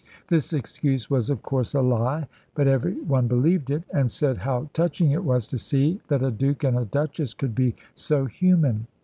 This excuse was, of course, a lie, but every one believed it, and said how touching it was to see that a Duke and a Duchess could be so human.